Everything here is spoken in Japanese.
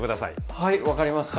はい分かりました。